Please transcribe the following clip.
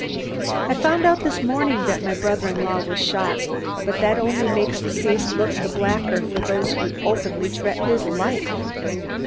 "I found out this morning that my brother in law was shot, but that only makes the case look the blacker for those who openly threatened his life."